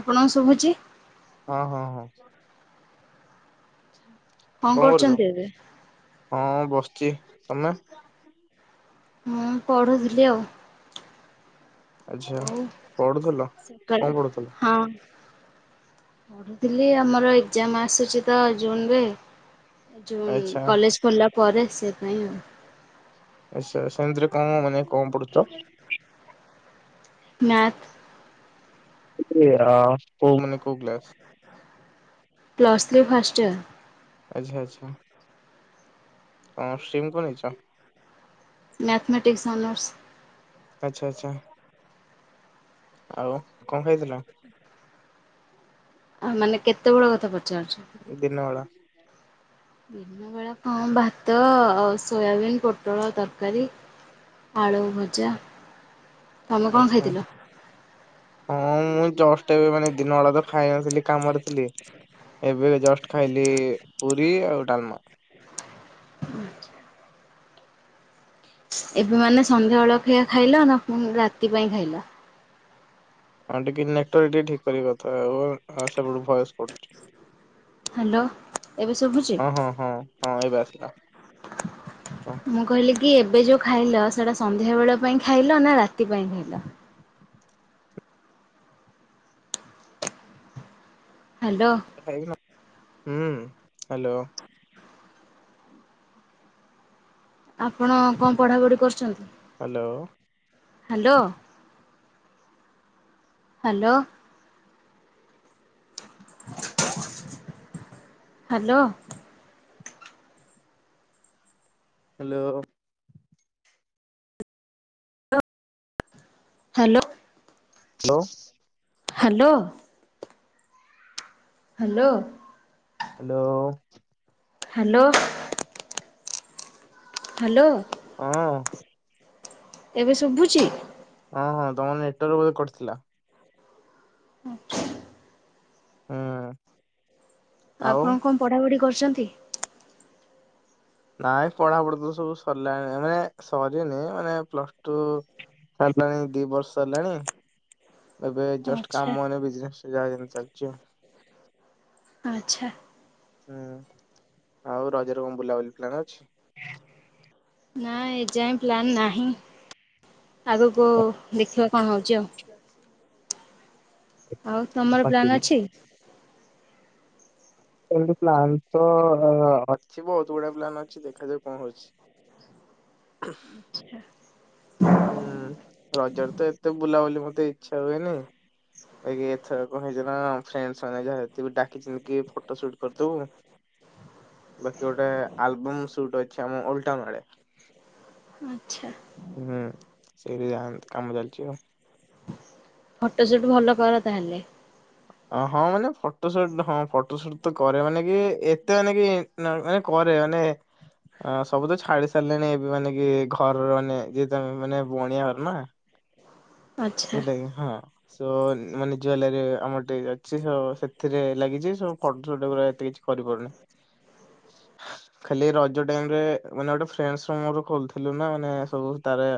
ଆପଣଙ୍କୁ ଶୁଭୁଛି। ହଁ, ହଁ, ହଁ। କ'ଣ କରୁଛନ୍ତି ଏବେ। ହଁ ବସିଛି ତମେ। ମୁଁ ପଢ଼ୁଥିଲି ଆଉ। ଆଚ୍ଛା ହଉ ପଢୁଥିଲ? କଣ ସକାଳୁ ପଢୁଥିଲ ହଁ। ପଢୁଥିଲି ଆମର ଏକ୍ଜାମ ଆସୁଛି ତ ଜୁନୁ ରେ। ଜୁନୁ ଆଚ୍ଛା କଲେଜ ଖୋଲିଲା ପରେ ସେପାଇ ଆଉ। ଆଚ୍ଛା ସେମିତିରେ କ'ଣ ମାନେ କ'ଣ ପଢୁଛ। ମ୍ୟାଥ। କିତିନିଏ ଅ କୋଉ ମାନେ କଉ class. Plus three first year. ଆଚ୍ଛା, ଆଚ୍ଛା। ଅ ସିମ୍ କୁ ନେଇଛ। Mathematics honours. ଆଚ୍ଛା ଆଛା ଆଉ କଣ ଖାଇଥିଲ। ଆ ମାନେ କେତେ ବେଳ କଥା ପଚାରୁଛ। ଦିନବେଳା। ଦିନବେେଳେ କଁ ଭାତ ଆଉ ସୋୟାବିନ୍ ପୋଟଳ ତରକାରୀ। ଆଳୁ ଭଜା ତମେ କଣ ଆଛା ଖାଇଥିଲ? ହଁ ମୁଁ ଜଷ୍ ଷ୍ଟ ଏବେ ମାନେ ଦିନ ବେଳା ତ ଖାଇନଥିଲି କାମରେ ଥିଲି। ଏବେ ଜଷ୍ଟ ଖାଇଲି ପୁରୀ ଆଉ ଡାଲମା। ଆଛା। ଏବେ ମାନେ ସନ୍ଧ୍ୟା ବେଳଖିଆ ଖାଇଲ ନା ପୁଣି ରାତି ପାଇଁ ଖାଇଲ। ହଁ ଟିକେ ନେଟୱର୍କ ଟିକେ ଠିକ୍ କରିବା କଥା ହୁଅ ସେପଟୁ ଭଏସ୍ କଟୁଛି। ହାଲୋ। ଏବେ ସୁଭି ଅ ହଁ ହଁ ହଁ ଏବେ ଆସିଲା। ହଁ ମୁଁ କହିଲି କି ଏବେ ଯୋଉ ଖାଇଲ ସେଟା ସନ୍ଧ୍ୟା ବେଳ ପାଇଁ ଖାଇଲ ନା ରାତି ପାଇଁ ଖାଇଲ। ହାଲୋ। ଖାଇବି ନା ହୁଁ ହ୍ୟାଲୋ। ଆପଣ କଁ ପଢାପଢି କରୁଛନ୍ତି। Hello. Hello hello. Hello. Hello. Hello. Hello. Hello. Hello. Hello. Hello. Hello. ହଁ। ଏବେ ଶୁଭୁଛି। ହଁ ହଁ ତମ ନେଟୱର୍କ ବୋଧେ କଟିଥିଲା। [inaudible] ହୁଁ। ଆଉ ଆପଣ କଣ ପଢାପଢି କରିଛନ୍ତି। ନାଇଁ ପଢା ପଢି ତ ସବୁ ସରିଲାଣି ମାନେ ସରିନି ମାନେ ପ୍ଲସ ଟୁ। ସାରିଲାଣି ଦି ବର୍ଷ ହେଲାଣି ଏବେ। ଜଷ୍ଟ ଆଚ୍ଛା କାମେ ଏଇନେ ବିଜିନେସ ଯା ଯେମତି ଚାଲିଛି ଆଉ। ଆଚ୍ଛା। ହୁଁ ଆଉ ରଜରେ କଁ ବୁଲାବୁଲି ପ୍ଲାାନ ଅଛି। ନା ଏ ଯାଏ ପ୍ଲନ୍ ନାହିଁ ଆଗକୁ ଦେଖିବା କଣ ହଉଛି ଆଉ। ଆଉ ତମର ବାକି ପ୍ଲାନ୍ ଅଛି। ଏମତି ପ୍ଲାନ ତ ଅଛି ବହୁତ ଗୁଡା ପ୍ଲାନ୍ ଅଛି ଦେଖାଯାଉ କଣ ହଉଛି। [unintelligible] ହଁ ହୁଁ, ରଜରେ ତ ଏତେ ବୁଲାବୁଲି ମତେ ଇଚ୍ଛା ହୁଏନି। ବାକି ଏଥର କଣ ହେଇଛିନା ଫ୍ରେଣ୍ଡସ୍ ମାନେ ଯାହା ଯେତିକୁ ଡାକିିଛନ୍ତି କି ଫଟୋସୁଟ୍ କରିଦବୁ। ବାକି ଗୋଟେ ଆଲବମ୍ ସୁଟ୍ ଅଛି ଆମ ଓଲଡଟାଉନ୍ ରେ। ଆଚ୍ଛା। ହୁଁ, ସେଇଠି ଯାହା କାମ ଚାଲିଛି ଆଉ। ଫଟୋସୁଟ୍ ଭଲ କର ତାହେଲେ। ଅ ହଁ, ମାନେ ଫଟୋ ସୁଟ୍ ହଁ ଫଟୋ ସୁଟ୍ ତ କରେ ମାନେ କି ଏତେ ମାନେ କି କରେ ମାନେ ଅ ସବୁ ତ ଛାଡି ସାରିଲିଣି ଏବେ ମାନେ କି ଘରର ମାନେ ଯେହେତୁ ଆମେ ମାନେ ବଣିଆ ଘର ନା। ଆଚ୍ଛା ହେଲାକି ହଁ, ଶୋ ମାନେ ଜୁଏଲାରୀ ଆମର ଟିକେ ଅଛି ହ ସେଥିରେ ଲାଗିଛି ସବୁ ଫଟୋସୁଟ୍ ଏଗୁରା ଏତେ କିଛି କରିପାରୁନି। ହ ଖାଲି ରଜ ଟାଇମ୍ ରେ ମାନେ ଗୋଟେ ଫ୍ରେଣ୍ଡସ୍ ର ମୋର ଖୋଲିଥିଲୁ ନା ମାନେ ସବୁ ତାରେ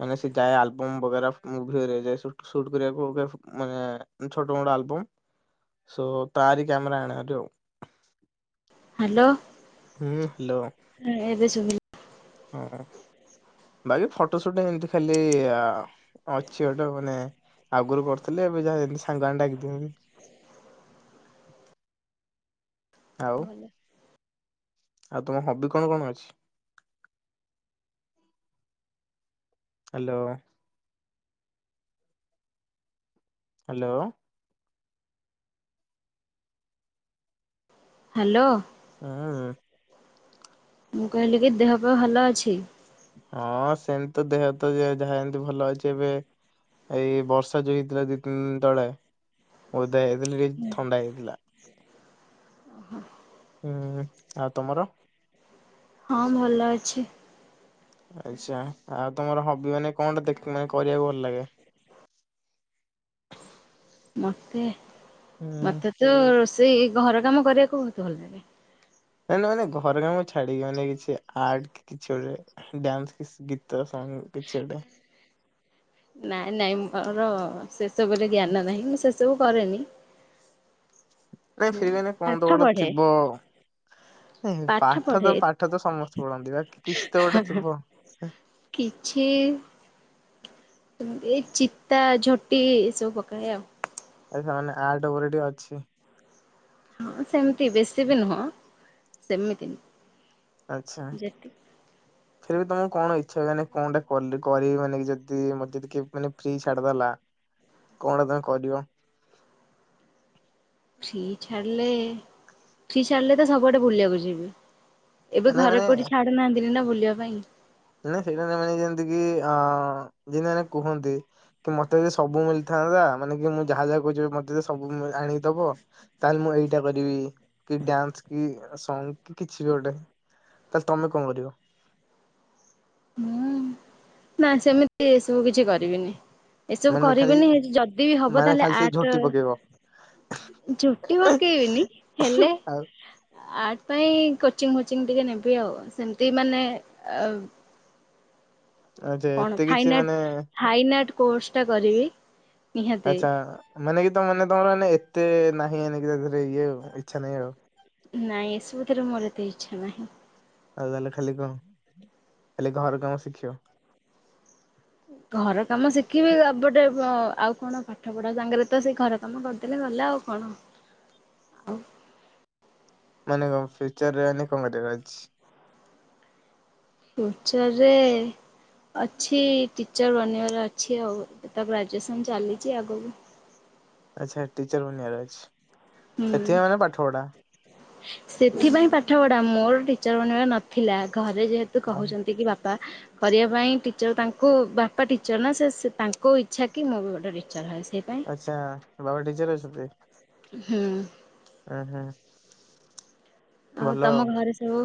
ମାନେ ସେ ଯାଏ ଆଲବମ ବଗେରା ମୁଭି ହେରିଆ ଯାଏ ସୁଟ ସୁଟ୍ କରିବାକୁ ଅଇକା ମାନେ ଛୋଟ ମୋଟ ଆଲବମ୍ ସୋ ତାରି କ୍ୟାମେରା ଆଣେଭାରି ଆଉ। ହ୍ୟାଲୋ। ହୁଁ, ହ୍ୟାଲୋ। ହଁ ଏବେ ଶୁଭିଲା। ହଁ ହଁ। ଭାଇ ଫଟୋ ସୁଟ୍ ହେମିତି ଖାଲି ଆ ଅଛି ଗୋଟେ ମାନେ ଆଗରୁ କରୁଥିଲି ଏବେ ଯାହା ଯେମିତି ସାଙ୍ଗମାନେ ଡାକି ଦିଅନ୍ତି। ଆଉ। ଆଉ ତମ ହବି କଣ କଣ ଅଛି? ହ୍ୟାଲୋ। ହ୍ୟାଲୋ। ହ୍ୟାଲୋ। ହୁଁ। ମୁଁ କହିଲି କି ଦେହପାହ ଭଲ ଅଛି। ହଁ ସେମିତି ତ ଦେହ ତ ଯାହା ଏମିତି ଭଲ ଅଛି ଏବେ। ଏଇ ବର୍ଷା ଯୋଉ ହେଇଥିଲା ଦିଇ ତିନି ଦିନ ତଳେ ଓଦା ହେଇଥିଲି, ଥଣ୍ଡା ହେଇଥିଲା। ହୁଁ, ଆଉ ତମର। ହଁ, ଭଲ ଅଛି। ଆଚ୍ଛା, ଆଉ ତମର ହବି ମାନେ କଣଟା ଦେଖି ମାନେ କରିବାକୁ ଭଲ ଲାଗେ। ମତେ, ହୁଁ। ମତେ ତ ରୋଷେଇ ଏ ଘର କାମ କରିବାକୁ ବହୁତ ଭଲ ଲାଗେ। ନାଇଁ ନାଇଁ ମାନେ ଘର କାମ ଛାଡିକି ମାନେ କିଛି ଆର୍ଟ କି କିଛି ଗୋଟେ। ଡ୍ୟାନ୍ସ କି ଗୀତ, ସଙ୍ଗ କିଛି ଗୋଟେ। ନାଇଁ ନାଇଁ ମୋର ସେସବୁରେ ଜ୍ଞାନ ନାହିଁ, ମୁଁ ସେସବୁ କରେନି। ନାଇ ଫିର୍ ବି ନାଇଁ କଣ ପାଠ ତ ଗୋଟେ ପଢ଼େ ଥିବ। ନାଇଁ ପାଠ ତ ପାଠ ତ ସମସ୍ତେ ପଢନ୍ତି, ବାକି କିଛି ତ ଗୋଟେ ଥିବ। କିଛି ସେମିତି ଏଇ ଚିତା, ଝୋଟି ଏସବୁ ପକାଏ ଆଉ। ସାମାନ୍ୟ ଆର୍ଟ ଉପରେ ଟିକେ ଅଛି। ହଁ ସେମତି ବେଶୀ ବି ନୁହଁ, ସେମିତି। ଆଚ୍ଛା। ଯେତିକି ଫେର ବି ତମର କଣ ଇଚ୍ଛା ହ ମାନେ କଣଟା କରି ମାନେ ଯଦି ମତେ ଯଦି ମାନେ ଫ୍ରି ଛାଡିଦେଲା। କଣ ତମେ କରିବ? ଫ୍ରି ଛାଡିଲେ ଫ୍ରୀ ଛାଡିଲେ ତ ସବୁଆଡେ ବୁଲିବାକୁ ଯିବି। ଏବେ ନାଇଁ ଘରେ ମାନେ କୋଉଠି ଛାଡୁ ନାହାନ୍ତିନି ନା ବୁଲିବା ପାଇଁ। ନ ସେଇଟାମାନେେ ଯେମିତି କିି ଅ ଯେମିତି ମାନେ କୁହନ୍ତି। କି ମତେ ଯଦି ସବୁ ମିଳିଥାନ୍ତା ମାନେ କି ମୁଁ ଯାହା ଯାହା କହୁଛିି ମତେ ଯଦି ସବୁ ଆଣିକିଦବ ତାହେଲେ ମୁଁ ଏଇଟା କରିବି କି ଡ୍ୟାନ୍ସ କି ସଙ୍ଗ କି କିଛି ବି ଗୋଟେ। ତାହେଲେ ତମେ କଣ କରିବ? ମୁଁ ନା ସେମିତି ଏ ସବୁ କିଛି କରିବିନି। ଏସବୁ ମାନେ ଖାଲି କରିବିନି ଯଦି ବି ହବ ମାନେ ତାହେଲେ ଖାଲି ସେଇ ଆର୍ଟ ଝୋଟି ପକେଇବ ଝୋଟି ପକେଇବିନି ହେଲେ ଆଉ ଆର୍ଟ ପାଇଁ କୋଚିଂ ଫୋଚିଂ ଟିକେ ନେବି ଆଉ ସେମିତି ମାନେ ଆ ଆଚ୍ଛା କଣ ଏତେ କିଛି ଫାଇନ୍ ମାନେ ଆର୍ଟ ଫାଇନ ଆର୍ଟ କୋର୍ସ ଟା କରିବି। ନିହାତି ଆଚ୍ଛା ମାନେ କି ତ ମାନେ ତମରେ ଏତେ ନାହିଁ ଏ କି ତାରେ ଇଏ ଇଚ୍ଛା ନାହିଁ ଆଉ। ନାଇଁ ଏସବୁଥିରେ ମୋର ଏତେ ଇଚ୍ଛା ନାହିଁ। ଆଉ ତାହେଲେ ଖାଲି କଣ ଖାଲି ଘର କାମ ଶିଖିବ? ଘର କାମ ଶିଖିବି ଗୋଟେ ଆଉ କଣ ପାଠ ପଢା ସାଙ୍ଗରେ ତ ସେଇ ଘର ତମେ କରିଦେଲେ ଗଲେ ଆଉ କଣ। ଆଉ ମାନେ କଣ ଫ୍ୟୁଚର ରେ ମାନେ କଣ କରିବାର ଅଛି? ଫ୍ୟୁଚରରେ ଅଛି ଟିଚର୍ ବନେଇବାର ଅଛି ଆଉ ତା ଗ୍ରାଜୁଏସନ୍ ଚାଲିଛି ଆଗକୁ ଆଚ୍ଛା ଟିଚର ନିଆର ଅଛି ହୁଁ ସେଥିପାଇଁ ମାନେ ପାଠ ପଢା। ସେଥିପାଇଁ ପାଠ ପଢା ମୋର ଟିଚର ମାନ ନଥିଲା ଘରେ ଯେତୁ ତ ଆଉ କହୁଛନ୍ତି କି ବାପା କରିବା ପାଇଁ ଟିଚର ତାଙ୍କୁ ବାପା ଟିଚର ନା ସେ ତାଙ୍କୁ ଇଚ୍ଛା କି ମୁଁ ବି ଗୋଟେ ଟିଚର ହୁଏ ସେଇଥିପାଇଁ ଆଚ୍ଛା ବାବା ଟିଚର ଅଛନ୍ତି? ହୁଁ ହଁ ହଁ ଆଉ ତମ ଘରେ ସବୁ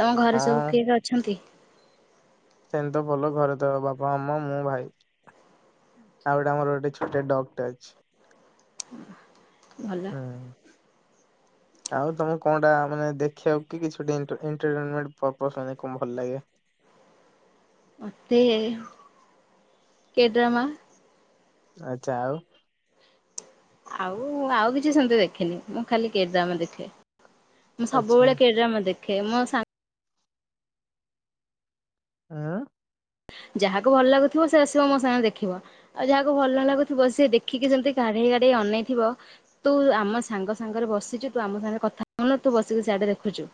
ତମ ଘରେ ସବୁ ହଁ କିଏ କିଏ ଅଛନ୍ତି? ସେମି ତ ଭଲ ଘରେ ତ ବାପା, ମାମା, ମୁଁ, ଭାଇ। ଆଉ ଗୋଟେ ଆମର ଗୋଟେ ଛୋଟ ଡଗ ଟେ ଅଛି। ହୁଁ ହୁଁ ଆଉ ତମେ କଣଟା ମାନେ ଦେଖିବାକୁ କିଛି ଏଣ୍ଟେର୍ଟିଂମେଣ୍ଟ ପରପୋସ ପାଇଁ କଣ ଭଲ ଲାଗେ? ମତେ କେଡ୍ରାମା ଆଛା ଆଉ ଆଉ ଆଉ କିଛି ସେମିତି ଦେଖେନି ମୁଁ ଖାଲି କେ ଡ୍ରାମା ଦେଖେ। ମୁଁ ଆଚ୍ଛା ସବୁବେଳେ କେଡାମ ଦେଖେ ମୋ ସାଙ୍ଗ ହଁ ଯାହାକୁ ଭଲ ଲାଗୁଥିବ ସେ ଆସିବ ମୋ ସାଙ୍ଗରେ ଦେଖିବ। ଆଉ ଯାହାକୁ ଭଲ ଲାଗୁଥିବ ସେି ଦେଖିକି ସେମିତି କାଢେଇ କାଢେଇ ଅନେଇଥିବ। ତୁ ଆମ ସାଙ୍ଗ ସାଙ୍ଗରେ ବସିଛୁ ତୁ ଆମ ସାଙ୍ଗରେ କଥା ହନ ତୁ ବସିକି ସେଆଡେ ଦେଖୁଛୁ।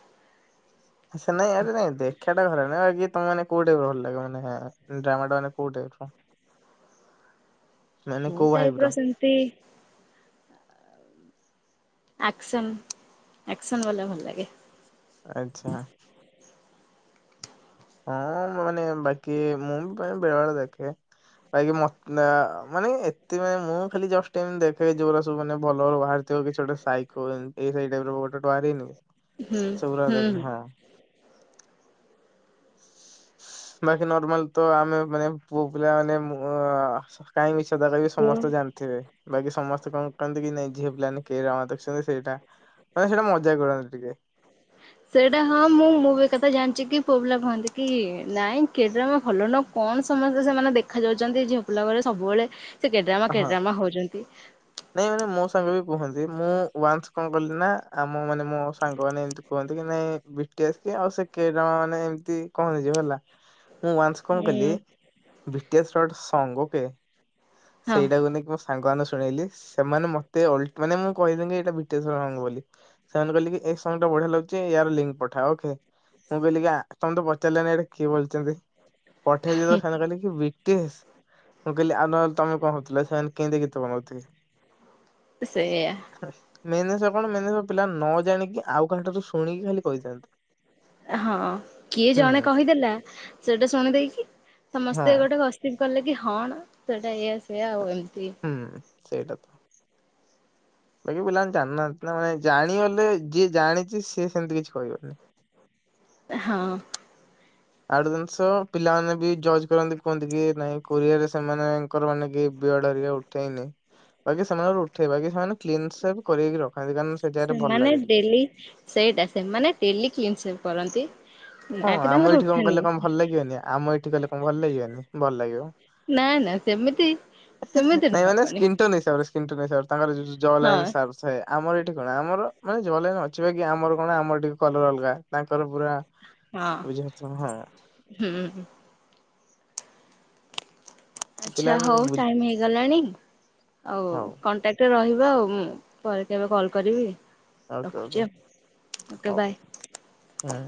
ଆ ନାଇଁ ଆରେ ନାଇଁ ଦେଖା ଟା ଖରା ନ ଆ କି ତମେ ମେ କୋଉଠେ ଭଲ ଲାଗେ ମାନେ ଡ୍ରାମା ଟା ମାନେ କୋଉ ଟାଇପ ର? ମୁଁ କୋଉ ଟାଇପୁର ଭାଇବର ସେମତି ଆକ୍ସନ୍ ଆସନ୍ ଵାଲା ଭଲ ଲାଗେ। ଆଚ୍ଛା। ଆଁ ମୋ ମାନେ ବାକି ମୁଁ ବି ପ୍ରାଏ ବେଳେ ବେଳେ ଦେଖେ। କାଇଁକି ମତ୍ ମାନେ ଏତେ ମାନେ ମୁଁ ଖାଲି ଜଷ୍ଟ ଟାଇମ୍ ଦେଖେ ଯୋଉରା ସବୁ ମାନେ ଭଲ ବାହାର ଥିବ କିଛି ଗୋଟେ ସାଇକୋ ଯେମି ଏ ଟାଇପିର ଲୋକ ଗୋଟେ ଗୋଟେ ବାହାରିନି ହୁଁ ସବୁଉରା ହୁଁ ଦେଖେ ହଁ। ବାକି ନର୍ମାଲ ତ ଆମେ ମାନେ ପୁଅ ପିଲା ମାନେ ମୁଁ କାହିଁ ମିଛ କଥା କହିବିି ହୁଁ। ସମସ୍ତେ ଜାଣିଥିବେ। ବାକି ସମସ୍ତେ କଣ କରନ୍ତି କି ନାଇ ଝିଏ ପିଲା ମାନେ କେରନା ଦେଖୁଛନ୍ତି ସେଇଟା ମ ସେଟା ମଜା କରନ୍ତି ଟିକେ। ସେଇଟା ହଁ ମୁଁ ମୁଁ ଏକଥା ଜାଣିଛି କି ପୁଅ ପିଲା କୁହନ୍ତି କି ନାଇଁ କିଟା ମ ଭଲ ନ କଣ ସମସ୍ତେ ସେମାନେ ଦେଖା ଯାଉଛନ୍ତି ଝିଅ ପିଲା ବେଳେ ସବୁବେଳେ ସେ କେଡ୍ରାମା ହଁ କେଡ୍ରାମା ହଉଛନ୍ତି। ନାଇଁ ମାନେ ମୋ ସାଙ୍ଗ ବି କୁହନ୍ତି ମୁଁ ୱାନ୍ସ କଣ କଲି ନା ଆମ ମାନେ ମୋ ସାଙ୍ଗ ମାନେ ଏମତି କୁହନ୍ତି କି ନାଇଁ ବିଟ୍ ଆସ୍‌କେ ଆଉ ସେ କେଡ୍ରାମା ମାନେ ଏମତି କହନ୍ତି ଯିବ ହେଲା। ମୁଁ ୱନ୍ସ କଣ କଲି ହୁଁ ବିଟ୍ ଆସ୍ଡ ସଙ୍ଗ କେ ହଁ। ସେଇଟାକୁ ନେଇକି ମୁ ସାଙ୍ଗମାନେ ଶୁଣେଇଲି ସେମାନେ ମତେ ଅଲ୍ ମାନେ ମୁଁ କହିଲିନି କି ଏଟା ବିଟେଶର ସଙ୍ଗ ବୋଲି। ସେମାନେ କହିଲେ କି ଏ ସଙ୍ଗ ଟା ବଢିଆ ଲାଗୁଛି ଇଆର ଲିଙ୍କ ପଠା ଓକେ। ମୁଁ କହିଲି ଆ ତମେ ତ ପଚାରିଲେ ନି ଏଇଟା କିଏ ବଲଚନ୍ତି। ପଠେଇ ଦେଲି ସାଙ୍ଗ କହିଲେ କି ବ୍ରିଟିସ୍ ମୁଁ କହିଲି ଆଉ ନହେଲେ ତମେ କହୁଥିଲା ସେମାନେ କେମିତି ଗୀତ ବନଉଥିବେ। ସେଇଆ। ମେନେ ସ କଣ ମେନେସ ପିଲା ନ ଜାଣିକି ଆଉ କାହାଠାରୁ ଶୁଣିକି ଖାଲି କହିଥାନ୍ତି। ହଁ କିଏ ଜଣେ ହୁଁ କହିଦେଲା ସେଟା ଶୁଣିଦେଇକି ହଁ ସମସ୍ତେ ଗୋଟେ ବ ସେ କଲେ କି ହଁ ନା ସେଇଟା ଏଆ ସେଆ ଆଉ ଏମ ହୁଁ ସେଇଟା ତ। ବାକି ପିଲାମାନେ ଜାଣିନାହାନ୍ତି ନା ମାନେ ଜାଣିଗଲେ ଯିଏ ଜାଣିଛି ସିଏ ସେମିତି କିଛି କହିବନି। ହଁ। ଆଉ ଗୋଟେ ଜିନିଷ ପିଲାମାନେ ବି ଜଜ୍ କରନ୍ତି କୁହନ୍ତି କି ନାଇଁ କୋରିଆରେ ସେମାନେଙ୍କର ମାନେ କି ବ୍ରଡ ଅରିକା ଓ ଉଠେଇନି ବାକି ସେମାନଙ୍କ ଉଠେଇ ବାକି ସେମାନେ କ୍ଲିନ୍‌ ସଟ୍ କରକି ରଖାନ୍ତି କାରଣ ସେ ଜାଗାରେ ଭଲ ଲାଗେ ଟିକେ। ଇଛି। ସେଇଟା ସେମାନେ ଟେଲି କ୍ଲିନ୍ ସେପ୍ କରନ୍ତି। ହଁ ନା କି ଆମ ତାଙ୍କର ଏଇଠି କଣ ଉଠେନି କଲେ କଣ ଭଲ ଲାଗିବନି ଆମ ଏଇଠି କଲେ କଣ ଭଲ ଲାଗିବନି ଭଲ ଲାଗିବ। ନା ନା ସେମିତି ସେମିତି ନାଇଁ ନୁହଁ ମାନେ ସ୍କିନି ଟନ୍‌ ହିସାବରେ ସ୍କିନ୍‌ ଟନ୍‌ ହିସାବରେ ତାଙ୍କର ଯ ହଁ ଲାଇନ୍‌ ସାବସ୍ତ ସେଆ ଆମର ଏଠି କଣ ଆମର ମାନେ ଜଲାଇନ୍ ଅଛିି ବାକି ଆମର କଣ ଆମର ଟିକେ କଲର ଅଲଗା ତାଙ୍କର ପୁରା ହଁ ବୁଝିଲେ ଛ ହଁ। ହୁଁ। ଆଛା ପିଲାମାନେ ହଉ ବୁଝ ଟାଇମି ହେଇଗଲାଣି ଆଉ ହଉ କଣ୍ଟାକ୍ଟ ଟିକେ ରହିବ ଆଉ ମୁଁ ପରେ କେବେ କଲ୍ କରିବି। ଓକେ ରଖୁଛି ଓକେ ଆଉ ଓକେ ହଉ ବାଏ। ହୁଁ।